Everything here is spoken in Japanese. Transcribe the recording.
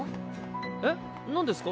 えっなんですか？